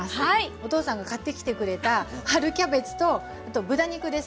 お父さんが買ってきてくれた春キャベツとあと豚肉ですね。